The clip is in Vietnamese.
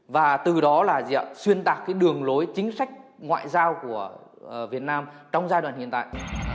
và từ đó xuyên tạp đường lối chính sách ngoại giao của việt nam trong giai đoạn hiện tại